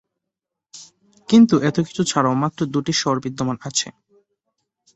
কিন্তু এতো কিছু ছাড়াও মাত্র দুটি স্বর বিদ্যমান আছে।